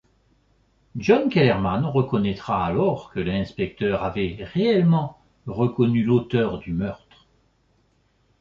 John Kellermann reconnaîtra alors que l'inspecteur avait réellement reconnu l'auteur du meurtre.